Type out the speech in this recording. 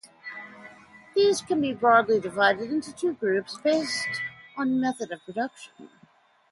These can be broadly divided into two groups based on method of production.